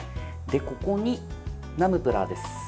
ここにナムプラーです。